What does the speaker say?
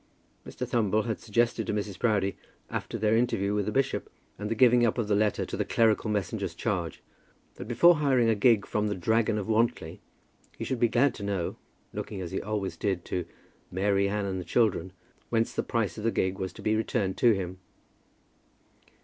Mr. Thumble had suggested to Mrs. Proudie, after their interview with the bishop and the giving up of the letter to the clerical messenger's charge, that before hiring a gig from the "Dragon of Wantley," he should be glad to know, looking as he always did to "Mary Anne and the children," whence the price of the gig was to be returned to him.